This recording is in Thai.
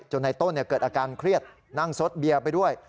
ในต้นเกิดอาการเครียดนั่งซดเบียร์ไปด้วย